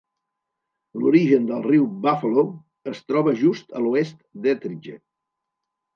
L'origen del riu Buffalo es troba just a l'oest d'Ethridge.